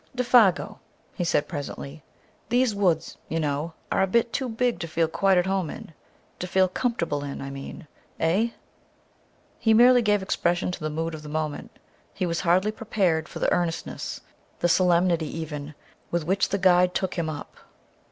"Défago," he said presently, "these woods, you know, are a bit too big to feel quite at home in to feel comfortable in, I mean!... Eh?" He merely gave expression to the mood of the moment; he was hardly prepared for the earnestness, the solemnity even, with which the guide took him up.